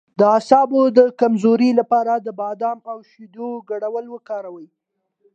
د اعصابو د کمزوری لپاره د بادام او شیدو ګډول وکاروئ